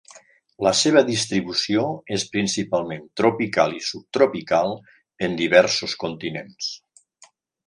La seva distribució és principalment tropical i subtropical, en diversos continents.